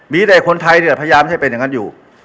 มีแต่คนไทยเนี่ยพยายามให้เป็นอย่างนั้นอยู่